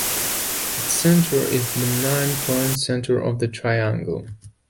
Its center is the nine-point center of the triangle.